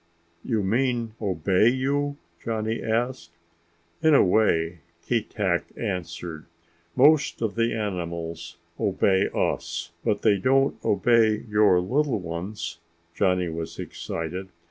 "You mean obey you?" Johnny asked. "In a way," Keetack answered, "most of the animals obey us." "But they don't obey your little ones!" Johnny was excited.